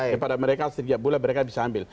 kepada mereka setiap bulan mereka bisa ambil